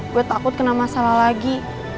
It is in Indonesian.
gue takut kena masalah lagi